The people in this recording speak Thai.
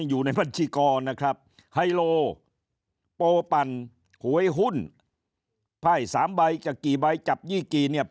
อยู่ในบัญชีกรนะครับไฮโลโปปั่นหวยหุ้นไพ่๓ใบกับกี่ใบจับยี่กี่เนี่ย